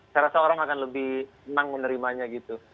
saya rasa orang akan lebih senang menerimanya gitu